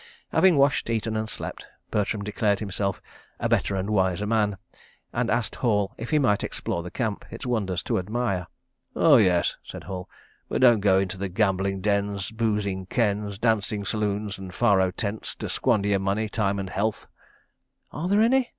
Having washed, eaten and slept, Bertram declared himself "a better and wiser man," and asked Hall if he might explore the Camp, its wonders to admire. "Oh, yes," said Hall, "but don't go into the gambling dens, boozing kens, dancing saloons and faro tents, to squander your money, time and health." "Are there any?"